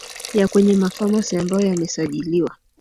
na kwenye mafamasi ambayo yamesajiliwa